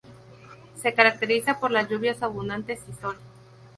Se caracteriza por las lluvias abundantes y sol.